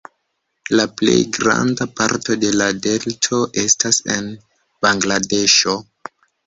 La plej granda parto de la delto estas en Bangladeŝo.